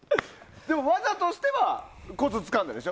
でも、技としてはコツつかんだでしょ？